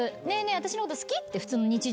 私のこと好き？」って普通の日常会話。